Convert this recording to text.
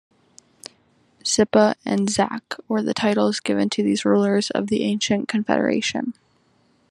"Zipa" and "zaque" were the titles given to these rulers of the ancient confederation.